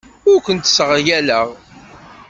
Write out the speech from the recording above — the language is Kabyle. Ur kent-sseɣyaleɣ.